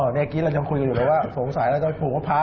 แม่กิ๊ตเราคุยอยู่เลยว่าสมสัยจะผาว่ามะพร้าวดีกว่า